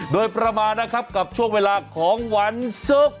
โดยประมาณนะครับกับช่วงเวลาของวันศุกร์